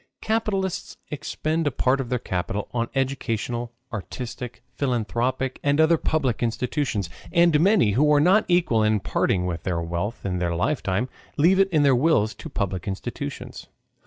Capitalists expend a part of their capital on educational, artistic, philanthropic, and other public institutions. And many, who are not equal to parting with their wealth in their lifetime, leave it in their wills to public institutions.